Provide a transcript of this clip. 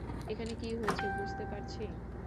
এখানে কী হয়েছে বুঝতে পারছি।